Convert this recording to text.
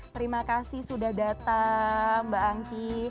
terima kasih sudah datang mbak angki